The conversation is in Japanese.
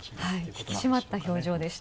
引き締まった表情でした。